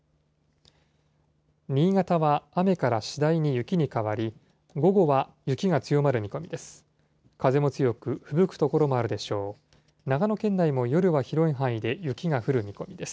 新潟は雨から次第に雪に変わり、午後は雪が強まる見込みです。